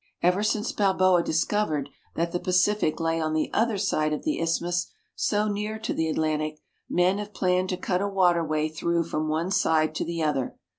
Ever since Balboa discovered that the Pacific lay on the other side of the isthmus, so near to the Atlantic, men have planned to cut a waterway through from one side to the other.